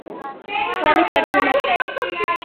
ხრამის მარჯვენა ნაპირას.